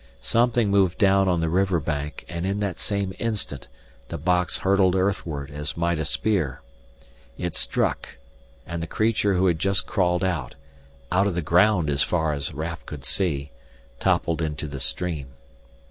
Something moved down on the river bank and in that same instant the box hurtled earthward as might a spear. It struck, and the creature who had just crawled out out of the ground as far as Raf could see toppled into the stream.